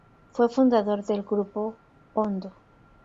Fue fundador del "grupo Hondo".